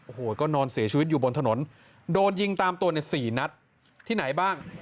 โอ้โหก็นอนเสียชีวิตอยู่บนถนนโดนยิงตามตัวในสี่นัดที่ไหนบ้าง